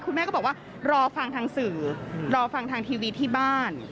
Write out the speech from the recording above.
คุณแม่ก็บอกว่ารอฟังทางสื่อรอฟังทางทีวีที่บ้าน